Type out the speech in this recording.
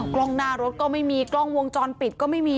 กล้องหน้ารถก็ไม่มีกล้องวงจรปิดก็ไม่มี